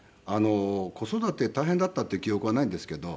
子育て大変だったっていう記憶はないんですけど。